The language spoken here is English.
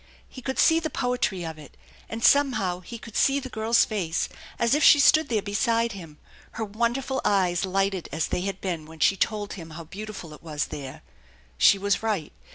He could see the poetry of it, and somehow he could see the girl's face as if she stood there beside him, her wonderful eyes lighted as they had been when she told him how beautiful it was there. She was right.